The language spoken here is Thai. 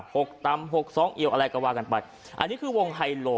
หกต่ำหกสองเอียวอะไรก็ว่ากันไปอันนี้คือวงไฮโล